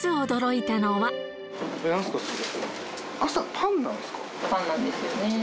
パンなんですよね。